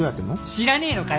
知らねえのかよ！